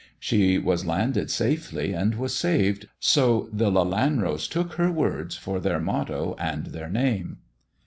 She was landed safely and was saved, so the Lelanros took her words for their motto and their name."